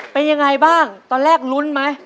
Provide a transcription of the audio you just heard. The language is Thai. เป็นยังไงบ้างตอนแรกลุ้นไหม